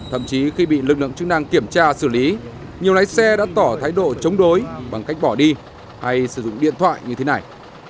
thậm chí khi bị lực lượng chức năng kiểm tra xử lý nhiều lái xe đã tỏ thái độ chống đối bằng cách bỏ đi hay sử dụng điện thoại như thế này